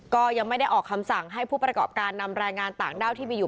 ก็ยังไม่ได้ออกคำสั่งให้ผู้ประกอบการนำรายงานต่างด้าวที่มีอยู่